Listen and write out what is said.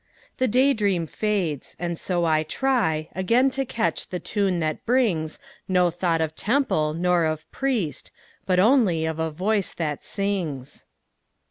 The day dream fades and so I try Again to catch the tune that brings No thought of temple nor of priest, But only of a voice that sings.